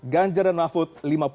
ganjar dan mahwud